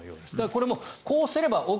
これもこうすればＯＫ。